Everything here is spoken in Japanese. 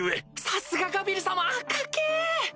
さすがガビル様カッケェ！